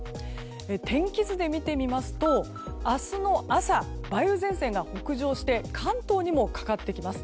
天気図で見てみますと明日の朝梅雨前線が北上して関東にもかかってきます。